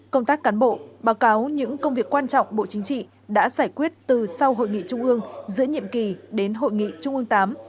công tác cán bộ báo cáo những công việc quan trọng bộ chính trị đã giải quyết từ sau hội nghị trung ương giữa nhiệm kỳ đến hội nghị trung ương viii